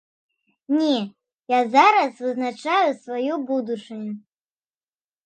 Не я зараз вызначаю сваю будучыню.